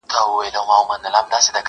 انسانيت بايد وساتل سي تل.